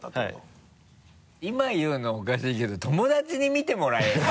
今言うのおかしいけど友達に見てもらえよ！